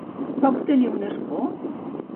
Va obtenir un escó?